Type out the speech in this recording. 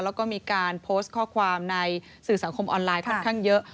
แล้วก็มีการโพสต์ข้อความในสื่อสังคมออนไลน์ค่อนข้างเยอะ